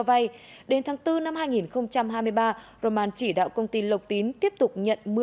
vay đến tháng bốn năm hai nghìn hai mươi ba roman chỉ đạo công ty lộc tín tiếp tục nhận